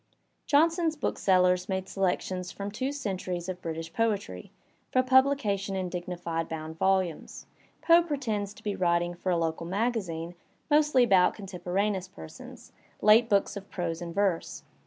Johnson's booksellers make selections from two centuries of British poetry, for publication ia dignified bound volumes. Foe pretends to be writing for a local magazine mostly about contemporaneous persons, late books of prose and verse.